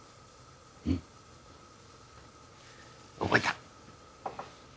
うん覚えた。